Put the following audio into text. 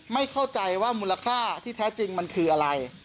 ไม่เข้าใจว่ามูลค่าที่แท้จริงมันคืออะไร